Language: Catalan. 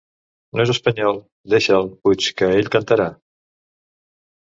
No és espanyol? Deixa'l puix, que ell cantarà.